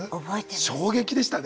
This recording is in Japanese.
衝撃でしたね。